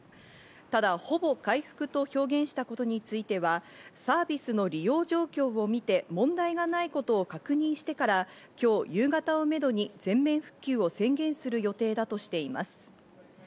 ただ、ほぼ回復と表現したことについては、サービスの利用状況をみて問題がないことを確認してから、今日夕方をめどに全面復旧を宣言する予定だとしています。